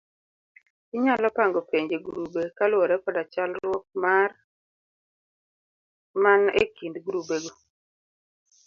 Inyalo pango penjo e grube kaluore koda chalruok man e kind grubego